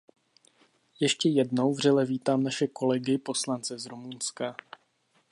Ještě jednou vřele vítám naše kolegy poslance z Rumunska.